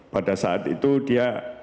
pada saat itu dia